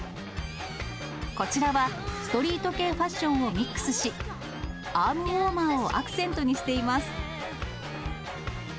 こちらは、ストリート系ファッションをミックスし、アームウォーマーをアクセントにしています。